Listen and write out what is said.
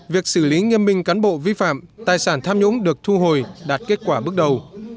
việc xử lý nghiêm minh cán bộ vi phạm tài sản tham nhũng được thu hồi đạt kết quả bước đầu